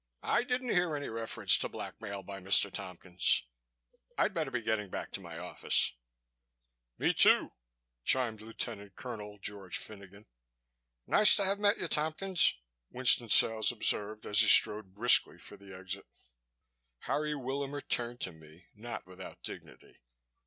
"I didn't hear any reference to blackmail by Mr. Tompkins. I'd better be getting back to my office." "Me, too," chimed Lt. Col. George Finogan. "Nice to have met you, Tompkins," Winston Sales observed as he strode briskly for the exit. Harry Willamer turned to me, not without dignity.